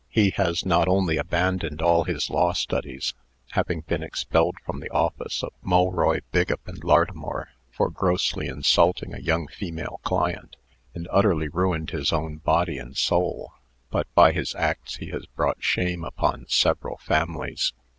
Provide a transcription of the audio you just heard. He has not only abandoned all his law studies (having been expelled from the office of Mulroy, Biggup & Lartimore for grossly insulting a young female client), and utterly ruined his own body and soul, but, by his acts, he has brought shame upon several families.